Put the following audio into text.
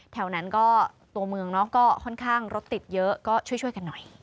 แถวนั้นก็ตัวเมืองเนาะก็ค่อนข้างรถติดเยอะก็ช่วยกันหน่อย